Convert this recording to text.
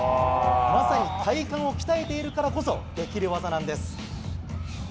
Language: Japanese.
まさに体幹を鍛えているからこそできる技なんです。